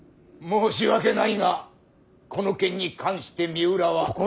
申し訳ないがこの件に関して三浦は。